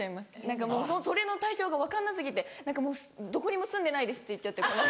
何かもうそれの対処法が分かんな過ぎて「どこにも住んでないです」って言っちゃってこの間。